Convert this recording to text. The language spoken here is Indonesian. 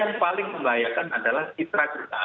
yang paling membelayakan adalah kita kita